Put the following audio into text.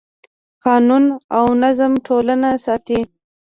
قانون او نظم ټولنه ساتي.